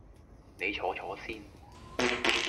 你坐坐先